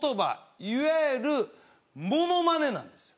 いわゆるモノマネなんですよ